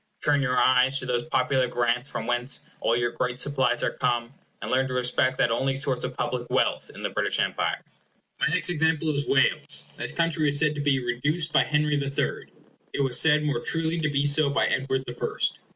Turn your eyes to those popular grants from whence all your great supplies are come, and learn to respect that only source of public wealth in the British Empire. My next example is Wales. This country was said to be reduced by Henry the Third. It was said more truly to be so by Edward the First.